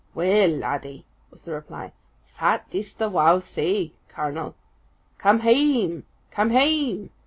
"Weel, laddie!" was the reply. "Fat dis the wow say, cornel?" "Come hame, come hame!"